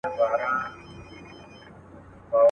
څلورمه هغه آش هغه کاسه وه.